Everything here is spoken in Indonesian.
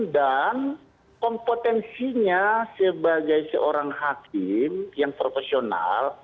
dan kompetensinya sebagai seorang hakim yang profesional